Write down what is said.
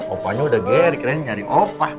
opahnya udah gari gari nyariin opah